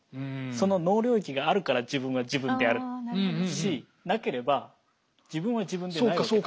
その脳領域があるから自分が自分であるしなければ自分は自分ではないわけ。